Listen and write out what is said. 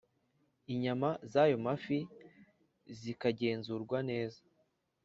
inyama z’ayo mafi zikagenzurwa neza